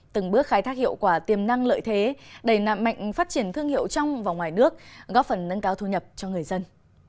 từng bước khai thác hiệu quả tiềm năng lợi thế đầy nạm mạnh phát triển thương hiệu trong và ngoài nước góp phần nâng cao thu nhập cho người dân